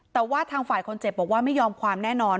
แต่ว่าทางฝ่ายคนเจ็บบอกว่าไม่ยอมความแน่นอน